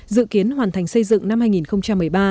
dự kiến hoàn thành xây dựng năm hai nghìn một mươi ba